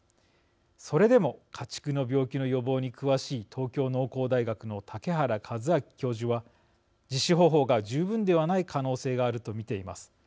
それでも、家畜の病気の予防に詳しい東京農工大学の竹原一明教授は「実施方法が十分ではない可能性がある」と見ています。